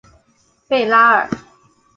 贝拉尔。